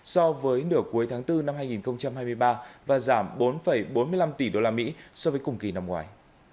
so với nửa cuối tháng bốn năm hai nghìn hai mươi ba và giảm bốn bốn mươi năm tỷ đô la mỹ so với cùng kỳ năm ngoài